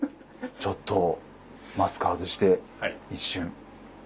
ちょっとマスク外して一瞬。